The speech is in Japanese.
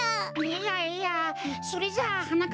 いやいやそれじゃあはな